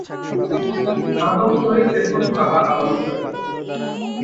আদম শহীদ দেখুন বাবা আদম শহীদ।